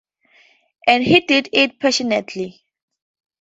And he did it passionately.